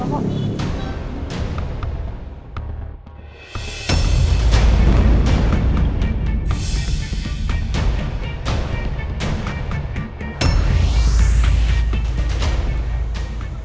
tante tidak apa apa